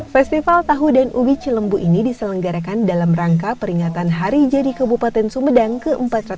festival tahu dan ubi cilembu ini diselenggarakan dalam rangka peringatan hari jadi kabupaten sumedang ke empat ratus tiga puluh